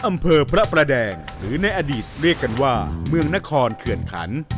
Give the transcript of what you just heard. อำเภอพระประแดงหรือในอดีตเรียกกันว่าเมืองนครเขื่อนขัน